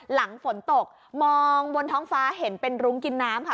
หลังฝนตกมองบนท้องฟ้าเห็นเป็นรุ้งกินน้ำค่ะ